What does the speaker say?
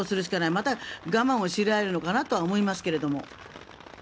また、我慢を強いられるのかなというふうに思いますが。